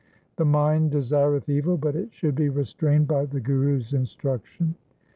The mind desireth evil, but it should be restrained by the Guru's instruction.